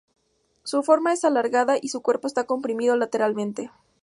Su forma es alargada, y su cuerpo está comprimido lateralmente.